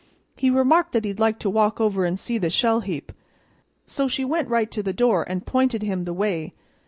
He remarked that he'd like to walk over an' see the shell heap; so she went right to the door and pointed him the way.